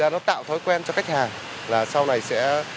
nó tạo thói quen cho khách hàng là sau này sẽ